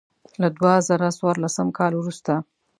له دوه زره څوارلسم کال وروسته.